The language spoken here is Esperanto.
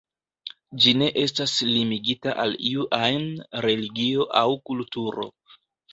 Ĝi ne estas limigita al iu ajn religio aŭ kulturo.